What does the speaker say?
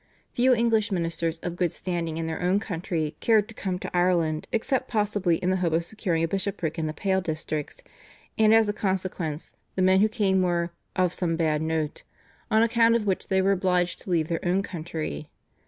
Few English ministers of good standing in their own country cared to come to Ireland except possibly in the hope of securing a bishopric in the Pale districts, and as a consequence, the men who came were "of some bad note," on account of which they were obliged to leave their own country.